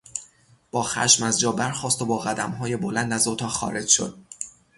با خشم از جا برخاست و با قدمهای بلند از اتاق خارج شد.